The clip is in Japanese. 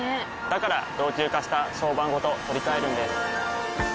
から老朽化した床版ごと取り替えるんです。